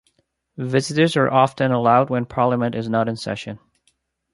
Visitors are often allowed when Parliament is not in session.